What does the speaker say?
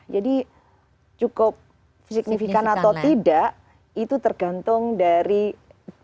jadi cukup signifikan atau tidak itu tergantung dari berapa